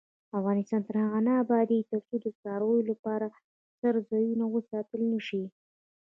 افغانستان تر هغو نه ابادیږي، ترڅو د څارویو لپاره څړځایونه وساتل نشي.